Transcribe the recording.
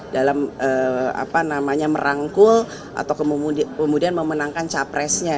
dalam merangkul atau kemudian memenangkan capresnya